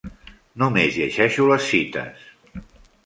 Només llegeixo les cites.